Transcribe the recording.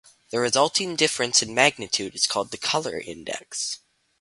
The resulting difference in magnitude is called the color index.